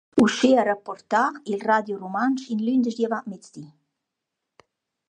Uschè ha rapportà il Radio Rumantsch in lündeschdi avantmezdi.